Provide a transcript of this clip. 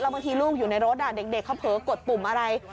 บางทีลูกอยู่ในรถเด็กเขาเผลอกดปุ่มอะไร